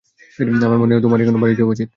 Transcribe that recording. আমার মনে হয় তোমার এখন বাড়ি যাওয়া উচিৎ।